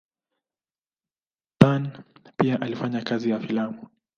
Payn pia alifanya kazi ya filamu.